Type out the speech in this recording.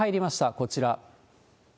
こちら。